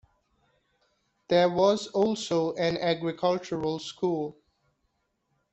There was also an agricultural school.